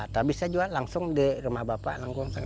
tapi saya jual langsung di rumah bapak langsung